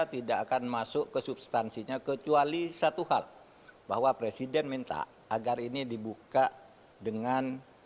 tidak akan masuk ke substansinya kecuali satu hal bahwa presiden minta agar ini dibuka dengan